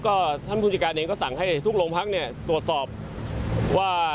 ก็ท่านภูมิการเองก็สั่งให้ทุกโรงพักษณ์ตรวจสอบว่า